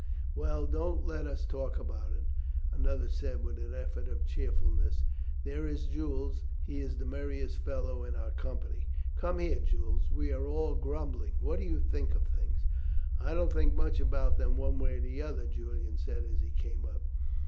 "Well, don't let us talk about it," another said with an effort at cheerfulness. "There is Jules, he is the merriest fellow in our company. Come here, Jules. We are all grumbling. What do you think of things?" "I don't think much about them one way or the other," Julian said as he came up.